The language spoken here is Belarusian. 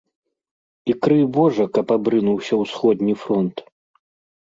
І крый божа, каб абрынуўся ўсходні фронт.